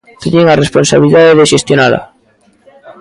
Teñen a responsabilidade de xestionala.